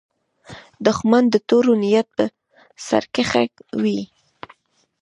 دښمن د تور نیت سرکښه وي